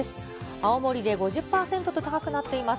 青森で５０％と高くなっています。